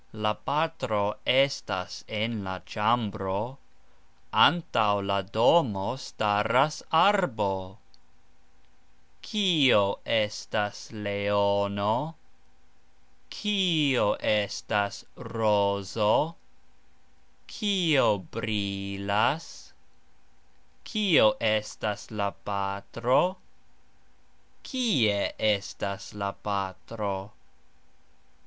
La patro estas en la cxambro. Antaux la domo staras arbo. Kio estas leono? Kio estas rozo? Kio brilas? Kio estas la patro? Kie estas la patro?